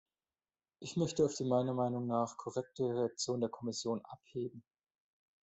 Ich möchte auf die meiner Meinung nach korrekte Reaktion der Kommission abheben.